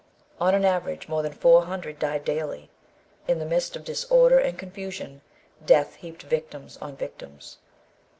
On an average, more than 400 died daily. In the midst of disorder and confusion, death heaped victims on victims.